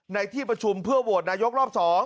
ในที่ประชุมเพื่อโหวตนายกรอบ๒